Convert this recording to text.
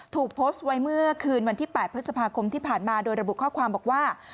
ถูกโพสต์ไว้เมื่อคืนวันที่๘พฤษภาคมที่ผ่านมาโดยระบุข้อความบอกว่า